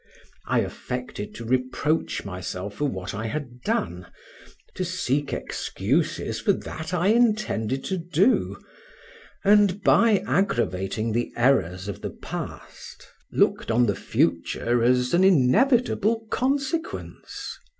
I affected to reproach myself for what I had done, to seek excuses for that I intended to do, and by aggravating the errors of the past, looked on the future as an inevitable consequence.